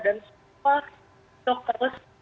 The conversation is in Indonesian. dan semua untuk terus